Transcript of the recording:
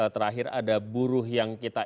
terakhir ada buruh yang kita